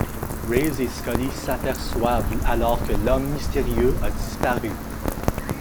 Reyes et Scully s'aperçoivent alors que l'homme mystérieux a disparu.